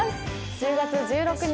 １０月１６日